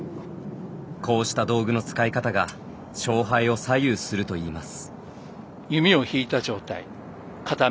こうした道具の使い方が勝敗を左右するといいます。